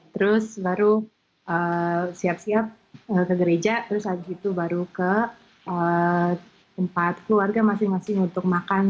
terus baru siap siap ke gereja terus habis itu baru ke tempat keluarga masing masing untuk makan